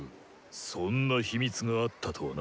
そんな秘密があったとはな。